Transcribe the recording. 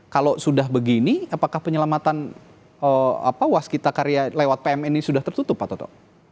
kalau sudah begini apakah penyelamatan waskita karya lewat pmn ini sudah tertutup pak toto